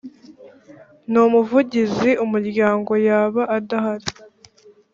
n umuvigizi umuryango yaba adahari